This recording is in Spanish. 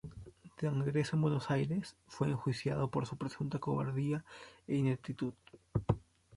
De regreso en Buenos Aires, fue enjuiciado por su presunta cobardía e ineptitud.